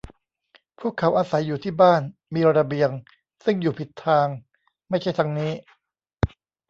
พวกเขาอาศัยอยู่ที่บ้าน มีระเบียง ซึ่งอยู่ผิดทาง ไม่ใช่ทางนี้